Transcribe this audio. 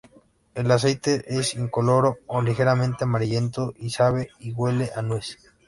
El aceite es incoloro o ligeramente amarillento y sabe y huele a nuez.